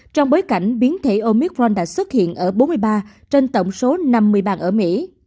trong bối cảnh biến thể omicron đã xuất hiện ở bốn mươi ba trên tổng số năm mươi bang ở mỹ